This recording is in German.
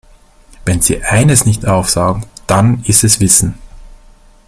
Wenn sie eines nicht aufsaugen, dann ist es Wissen.